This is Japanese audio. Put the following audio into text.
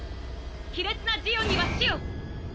卑劣なジオンには死を。